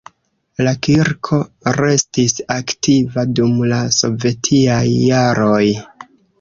La kirko restis aktiva dum la sovetiaj jaroj.